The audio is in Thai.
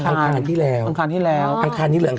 อันคารที่ผ่านมานี่เองไม่กี่วันนี่เอง